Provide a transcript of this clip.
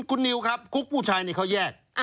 คุณนิวครับคุกผู้ชายนี่เขาแยก